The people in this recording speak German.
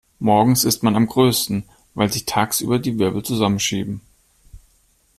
Morgens ist man am größten, weil sich tagsüber die Wirbel zusammenschieben.